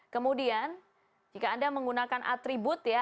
kemudian jika anda menggunakan atribut ya